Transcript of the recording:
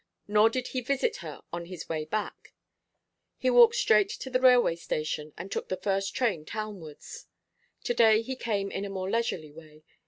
Nor did ho visit her on his way back; he walked straight to the railway station and took the first train townwards. To day he came in a more leisurely way.